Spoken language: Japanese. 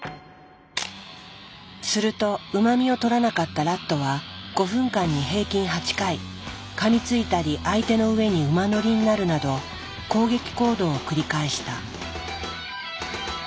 するとうま味をとらなかったラットは５分間に平均８回かみついたり相手の上に馬乗りになるなど攻撃行動を繰り返した。